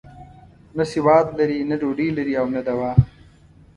نه سواد لري، نه ډوډۍ لري او نه دوا.